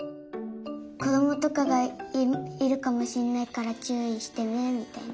こどもとかがいるかもしれないからちゅういしてねみたいな。